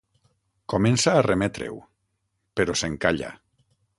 Comença a reemetre-ho, però s'encalla.